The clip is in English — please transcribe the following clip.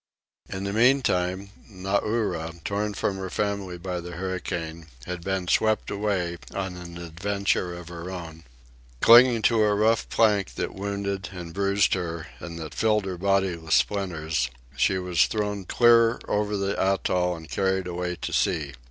In the meantime, Nauri, torn from her family by the hurricane, had been swept away on an adventure of her own. Clinging to a rough plank that wounded and bruised her and that filled her body with splinters, she was thrown clear over the atoll and carried away to sea.